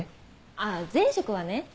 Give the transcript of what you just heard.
あぁ前職はね。